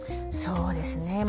そうですね